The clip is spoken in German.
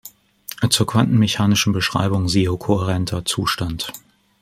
Zur quantenmechanischen Beschreibung siehe Kohärenter Zustand.